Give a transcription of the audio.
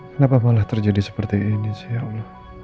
kenapa malah terjadi seperti ini sayang